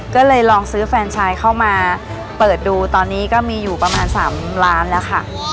ก็เลยลองซื้อแฟนชายเข้ามาเปิดดูตอนนี้ก็มีอยู่ประมาณ๓ล้านแล้วค่ะ